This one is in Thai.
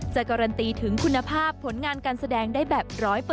การันตีถึงคุณภาพผลงานการแสดงได้แบบ๑๐๐